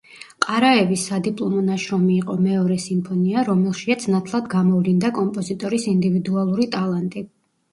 ყარაევის სადიპლომო ნაშრომი იყო მეორე სიმფონია, რომელშიაც ნათლად გამოვლინდა კომპოზიტორის ინდივიდუალური ტალანტი.